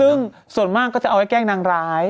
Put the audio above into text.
ซึ่งส่วนมากก็จะเอาไว้แกล้งนางร้าย